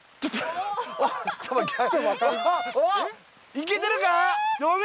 いけてるか？